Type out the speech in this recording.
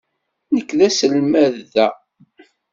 Nekk d taselmadt da.